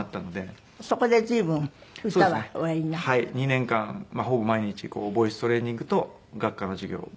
２年間ほぼ毎日ボイストレーニングと学科の授業を。